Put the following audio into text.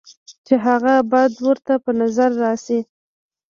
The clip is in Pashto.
چې هغه بد ورته پۀ نظر راشي،